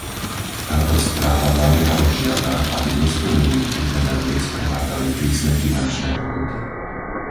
Táto správa naliehavo žiada, aby nesplnenie požiadaviek sprevádzali prísne finančné pokuty.